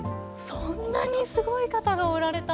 そんなにすごい方がおられたんですね。